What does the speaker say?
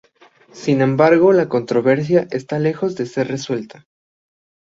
Sin embargo la controversia está lejos de ser resuelta.